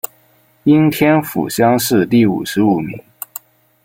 应天府乡试第五十五名。